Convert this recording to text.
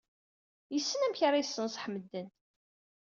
Yessen amek ara yenṣeḥ medden.